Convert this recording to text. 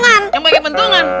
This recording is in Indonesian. yang pakai pentungan